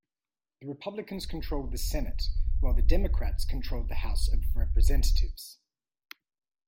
The Republicans controlled the Senate, while the Democrats controlled the House of Representatives.